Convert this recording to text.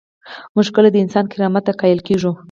موږ کله د انسان کرامت ته قایل کیږو؟